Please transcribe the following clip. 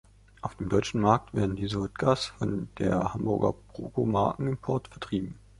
Auf dem deutschen Markt werden diese Wodkas von der Hamburger Borco-Marken-Import vertrieben.